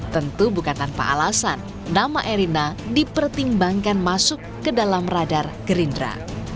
tentu bukan tanpa alasan nama erina dipertimbangkan masuk ke dalam radar gerindra